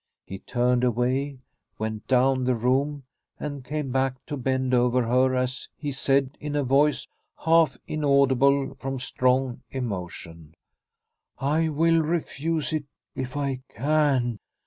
He turned away, went down the room, and came back to bend over her as he said in a voice half inaudible from strong emotion : "I will refuse it if I can.